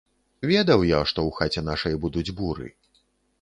Ведаў я, што ў хаце нашай будуць буры.